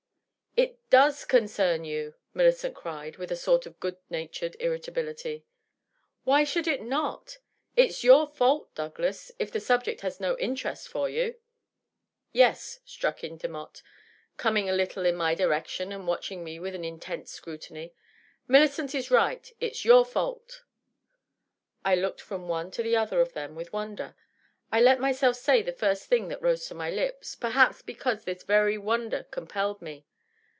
" It does concern you !" Millicent cried, with a sort of good natured irritability. "Why should it not? It's your fault, Douglas, if the subject has no interest for you." "Yes," struck in Demotte, coming a little in my direction and watching me with an intent scrutiny. " Millicent is right. It's your feult." I looked from one to the other of them with wonder. I let myself say the first thing that rose to my lips — ^perhaps because this very won der compelled me.